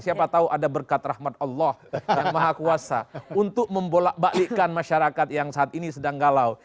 siapa tahu ada berkat rahmat allah yang maha kuasa untuk membolak balikan masyarakat yang saat ini sedang galau